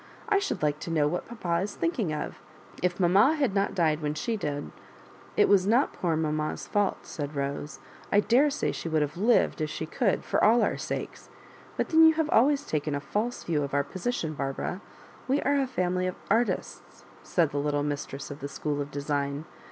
" I should like to know what papa is thinking of? If mamma had not died when she did " "It was not poor mamma's fault," said Bose. *' I daresay she would have lived if she could for all our sakes. But then you have always taken a false view of our position, Barbara. We are a family of artists,'" said the little mistress of the School of Design.